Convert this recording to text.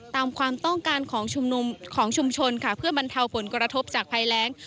ตามความต้องการของชุมชนเพื่อบรรเทาผลกระทบจากภายแล้ง